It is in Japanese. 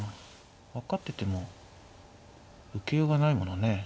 分かってても受けようがないものね。